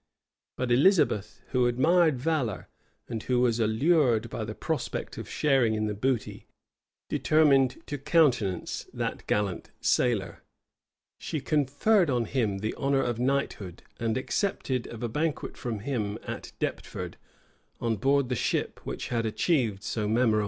But Elizabeth, who admired valor, and who was allured by the prospect of sharing in the booty, determined to countenance that gallant sailor: she conferred on him the honor of knighthood, and accepted of a banquet from him at Deptford, on board the ship which had achieved so memorable a voyage.